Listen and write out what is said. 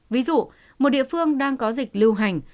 ví dụ một địa phương đang có dịch lưu hành